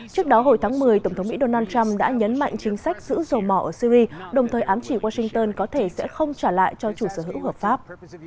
trước đó hồi tháng một mươi tổng thống mỹ donald trump đã nhấn mạnh chính sách giữ dầu mỏ ở syri đồng thời ám chỉ washington có thể sẽ không trả lại cho chủ sở hữu hợp pháp